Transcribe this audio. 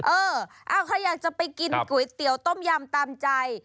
เออเอาใครอยากจะไปกินก๋วยเตี๋ยวต้มยำตามใจ